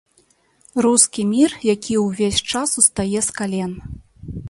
Рускі мір, які увесь час устае з кален.